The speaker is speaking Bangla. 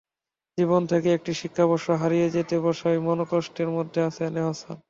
জীবন থেকে একটি শিক্ষাবর্ষ হারিয়ে যেতে বসায় মনঃকষ্টের মধ্যে আছেন এহসান।